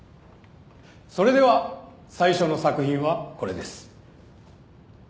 それでは最初の作品はこれです。